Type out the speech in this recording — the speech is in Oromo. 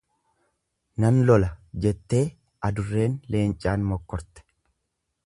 Nan lola jettee adurreen leencaan mokkorte.